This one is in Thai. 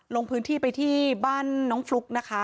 ลงพื้นที่ไปที่บ้านน้องฟลุ๊กนะคะ